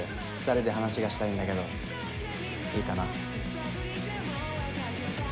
２人で話がしたいんだけどいいかな？